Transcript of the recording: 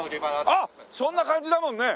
あっそんな感じだもんね。